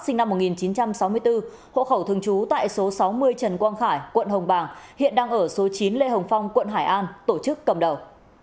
sinh năm một nghìn chín trăm sáu mươi bốn hộ khẩu thường trú tại số sáu mươi trần quang khải quận hồng bàng hiện đang ở số chín lê hồng phong quận hải an tổ chức cầm đầu